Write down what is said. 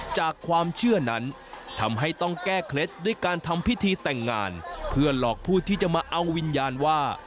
จากความเชื่อนั้นทำให้ต้องแก้เคล็ดด้วยการทำพิธีแต่งงานเพื่อหลอกผู้ที่จะมาเอาวิญญาณว่า